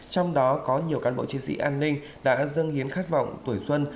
trong đó có nhiều cán bộ chiến sĩ an ninh đã dâng hiến khát vọng tuổi xuân